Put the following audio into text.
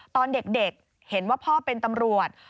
ตอนเด็กเห็นว่าพ่อเป็นตำรวจ